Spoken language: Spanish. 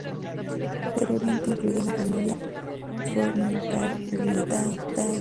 Estuvo anteriormente incluido en la familia Formicariidae.